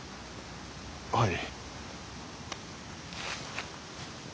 はい。